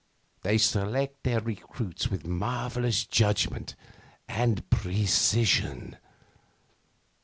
They select their recruits with marvellous judgment and precision.